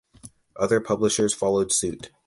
Other publishers followed suit.